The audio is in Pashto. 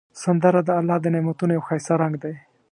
سندره د الله د نعمتونو یو ښایسته رنگ دی